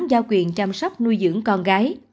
và được giao quyền chăm sóc nuôi dưỡng con gái